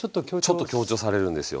ちょっと強調されるんですよ。